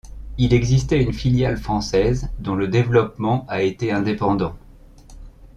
Il existait une filiale française dont le développement a été indépendant.